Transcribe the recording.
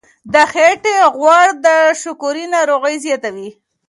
د خېټې غوړ د شکرې ناروغي زیاتوي.